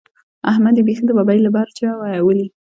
احمد يې بېخي د ببۍ له برجه ولي.